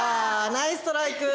ナイスストライク！